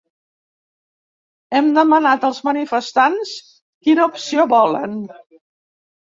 Hem demanat als manifestants quina opció volen.